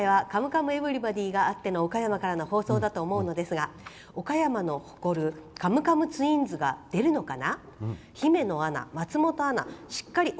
今回は、「カムカムエヴリバディ」があっての岡山からの放送だと思うのですが岡山の誇るカムカムツインズが出るのかな？